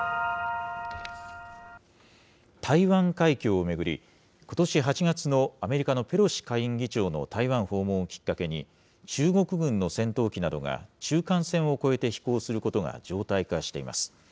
台湾海峡を巡り、ことし８月のアメリカのペロシ下院議長の台湾訪問をきっかけに、中国軍の戦闘機などが中間線を越えて飛行することが常態化しています。